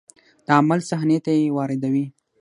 د عمل صحنې ته یې واردوي.